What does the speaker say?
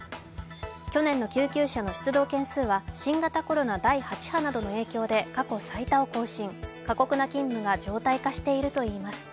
去年の救急車の出動件数は新型コロナ第８波などの影響で過去最多を更新、過酷な勤務が常態化しているといいます。